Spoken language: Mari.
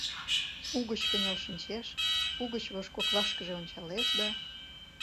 Угыч кынел шинчеш, угыч вожгоклашкыже ончалеш да: